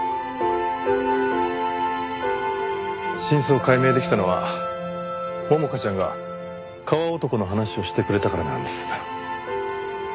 真相を解明できたのは百花ちゃんが川男の話をしてくれたからなんです。